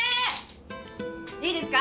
いいですか？